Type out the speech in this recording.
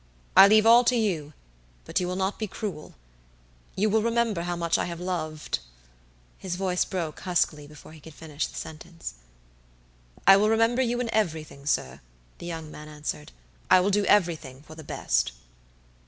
I leave all to you, but you will not be cruelyou will remember how much I loved" His voice broke huskily before he could finish the sentence. "I will remember you in everything, sir," the young man answered. "I will do everything for the best."